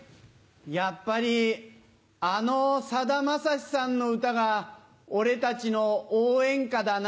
やっぱりあのさだまさしさんの歌が俺たちの応援歌だな。